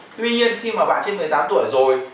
tuy nhiên khi mà bạn trên một mươi tám tuổi rồi